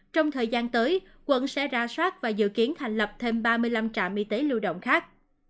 trong thời gian tới quận sẽ ra soát và dự kiến thành lập thêm ba mươi năm trạm y tế lưu động khác